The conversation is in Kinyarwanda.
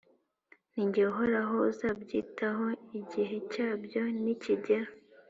ni jye uhoraho uzabyitaho, igihe cyabyo nikigera.